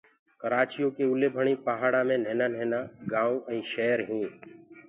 ڪرآچيو ڪي اوليڀڻيٚ پهآڙآنٚ مي نهينآ نهينآ گآئونٚ ائينٚ شير هينٚ